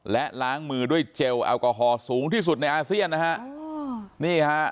และล้างมือด้วยเจลแอลกอฮอลสูงที่สุดในอาเซียนนะฮะนี่ฮะ